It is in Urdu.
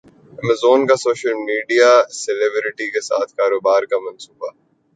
ایمازون کا سوشل میڈیا سلیبرٹی کے ساتھ کاروبار کا منصوبہ